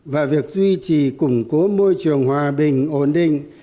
và việc duy trì củng cố môi trường hòa bình ổn định